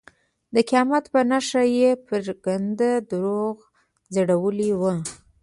د قیامت په نښانه یې پرېکنده دروغ ځړولي وو.